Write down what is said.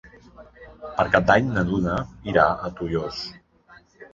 Per Cap d'Any na Duna irà a Tollos.